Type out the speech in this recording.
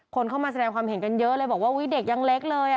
คนเข้ามาแสดงความเห็นกันเยอะเลยบอกว่าอุ๊ยเด็กยังเล็กเลย